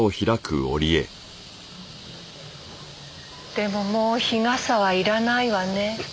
でももう日傘はいらないわね。